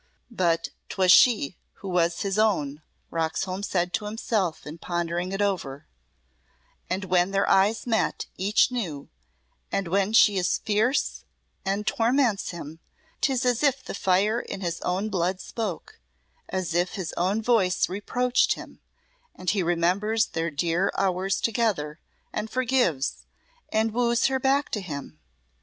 "But 'twas she who was his own," Roxholm said to himself in pondering it over, "and when their eyes met each knew and when she is fierce and torments him 'tis as if the fire in his own blood spoke, as if his own voice reproached him and he remembers their dear hours together, and forgives, and woos her back to him.